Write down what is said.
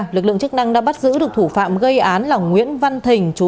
lực lượng chức năng đã bắt giữ được thủ phạm gây án là nguyễn văn thình